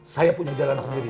saya punya jalan sendiri